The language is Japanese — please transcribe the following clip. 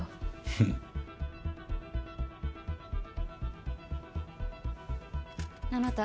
フンあなた